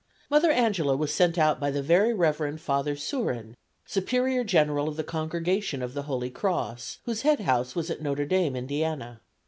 Mother Angela was sent out by the Very Rev. Father Sourin, Superior General of the Congregation of the Holy Cross, whose head house was at Notre Dame, Indiana.